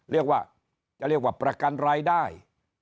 เรียกว่าจะเรียกว่าประกันรายได้